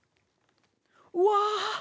うわ！